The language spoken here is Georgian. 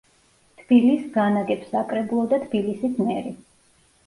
თბილისს განაგებს საკრებულო და თბილისის მერი.